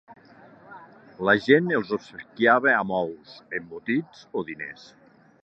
La gent els obsequiava amb ous, embotits o diners.